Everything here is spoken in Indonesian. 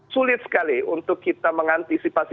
sulit sekali untuk kita mengantisipasi